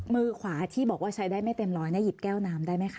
มือขวาที่บอกว่าใช้ได้ไม่เต็มร้อยหยิบแก้วน้ำได้ไหมคะ